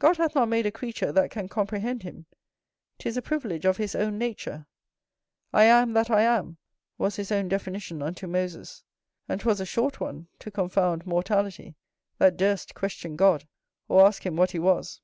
God hath not made a creature that can comprehend him; 'tis a privilege of his own nature: "I am that I am" was his own definition unto Moses; and 'twas a short one to confound mortality, that durst question God, or ask him what he was.